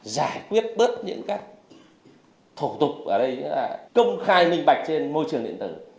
giải quyết bớt những thổ tục công khai minh bạch trên môi trường điện tử